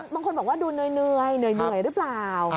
บางคนบอกว่าดูเหนื่อยหรือเปล่า